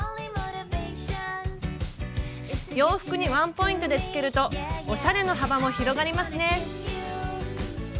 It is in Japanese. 洋服にワンポイントでつけるとおしゃれの幅も広がりますね。